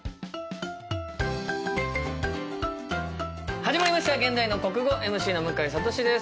始まりました「現代の国語」ＭＣの向井慧です。